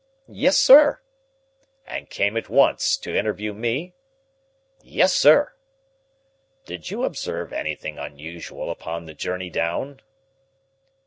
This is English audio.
"Yes, sir." "And came at once to interview me?" "Yes, sir." "Did you observe anything unusual upon the journey down?"